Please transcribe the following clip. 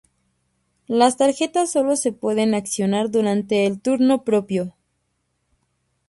Las tarjetas solo se pueden accionar durante el turno propio.